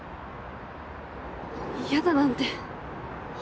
嫌だなんて。